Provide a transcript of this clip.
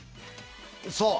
そう。